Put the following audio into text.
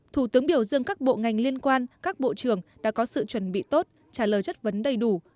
thủ tướng biểu dương các bộ ngành liên quan các bộ trưởng đã có sự chuẩn bị tốt trả lời chất vấn đầy đủ